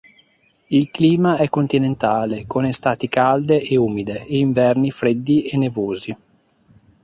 Il clima è continentale, con estati calde e umide e inverni freddi e nevosi.